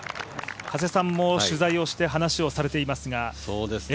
加瀬さんも取材をして話をされていますが。